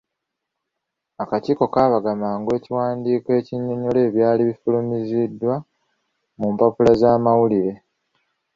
Akakiiko kaabaga mangu ekiwandiiko ekinnyonnyola ebyali bifulumiziddwa mu mpapula z’amawulire.